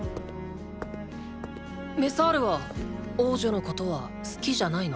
メサールは王女のことは好きじゃないの？